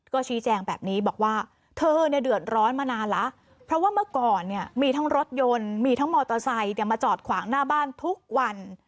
ก็ชี้แจงแบบนี้บอกว่าเธอเนี่ยเดือดร้อนมานานแล้วเพราะว่าเมื่อก่อนเนี่ยมีทั้งรถยนต์มีทั้งมอเตอร์ไซค์มาจอดขวางหน้าบ้านทุกวัน